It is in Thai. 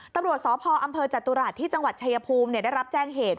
ตำรวจสพอำเภอจตุรัสที่จังหวัดชายภูมิได้รับแจ้งเหตุ